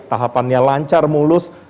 tahapannya lancar mulus